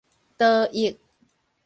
多益